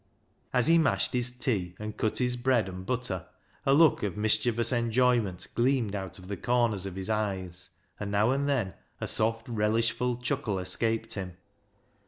As he mashed his tea and cut his bread and butter a look of mischievous enjoyment gleamed out of the corners of his eyes, and now and then a soft relishful chuckle escaped him.